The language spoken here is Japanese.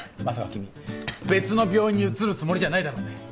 まさか君別の病院に移るつもりじゃないだろうね？